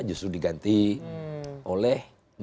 justru diganti oleh nike yang